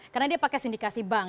karena dia pakai sindikasi bank